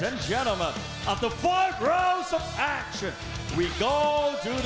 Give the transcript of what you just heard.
เอาล่ะท่านครับทีนี้หลังจาก๕รอวน์ของตัวต่อ